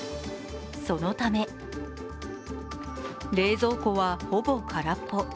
そのため冷蔵庫は、ほぼ空っぽ。